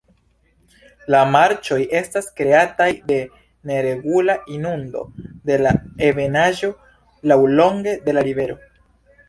La marĉoj estas kreataj de neregula inundo de la ebenaĵo laŭlonge de la rivero.